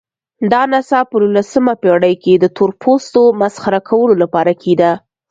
دا نڅا په نولسمه پېړۍ کې د تورپوستو مسخره کولو لپاره کېده.